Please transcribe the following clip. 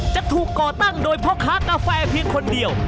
จะถูกก่อตั้งโดยพ่อค้ากาแฟเพียงคนเดียว